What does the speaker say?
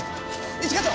一課長！